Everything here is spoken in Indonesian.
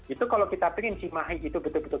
itu kalau kita ingin cimahi itu betul betul